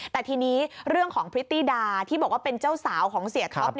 แต่ทีนี้เรื่องของพริตตี้ดาที่บอกว่าเป็นเจ้าสาวของเสียท็อป